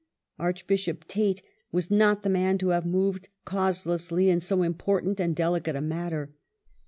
Archbishop Tait was not the man to have moved causelessly in so important and delicate a matter.